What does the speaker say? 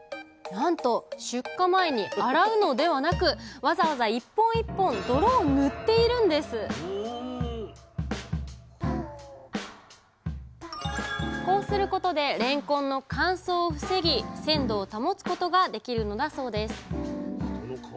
なんと出荷前に洗うのではなくわざわざ１本１本泥を塗っているんですこうすることでれんこんの乾燥を防ぎ鮮度を保つことができるのだそうです